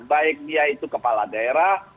baik yaitu kepala daerah